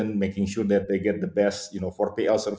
memastikan mereka mendapatkan perusahaan yang terbaik untuk p l